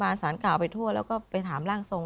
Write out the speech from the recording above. สารกล่าวไปทั่วแล้วก็ไปถามร่างทรง